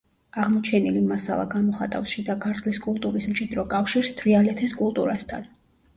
აღმოჩენილი მასალა გამოხატავს შიდა ქართლის კულტურის მჭიდრო კავშირს თრიალეთის კულტურასთან.